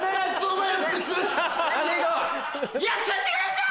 やっちゃってください！